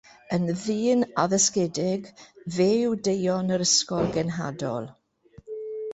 Yn ddyn addysgedig, fe yw deon yr ysgol genhadol.